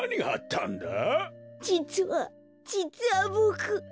じつはじつはボク。